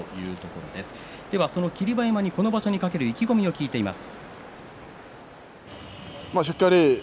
霧馬山に、この場所に懸ける意気込みを聞いています。